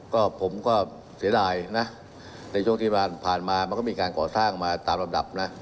ก็ผมก็เสียดายนะในช่วงที่ผ่านมามันก็มีการก่อสร้างมาตามลำดับนะ